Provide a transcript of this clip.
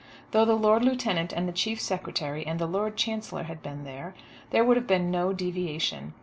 Though the Lord Lieutenant and the Chief Secretary and the Lord Chancellor had been there, there would have been no deviation.